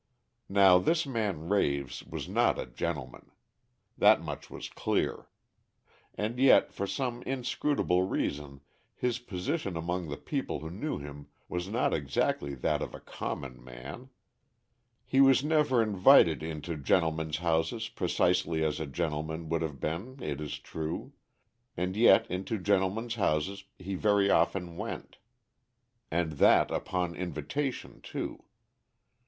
Now this man Raves was not a "gentleman." That much was clear. And yet, for some inscrutable reason, his position among the people who knew him was not exactly that of a common man. He was never invited into gentlemen's houses precisely as a gentleman would have been, it is true; and yet into gentlemen's houses he very often went, and that upon invitation too.